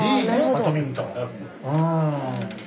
バドミントンうん。